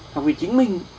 học vì chính mình